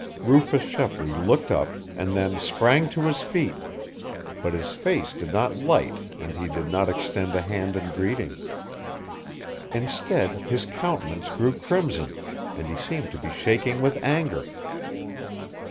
Rufus Shepley looked up, and then sprang to his feet, but his face did not light and he did not extend a hand in greeting. Instead, his countenance grew crimson, and he seemed to be shaking with anger.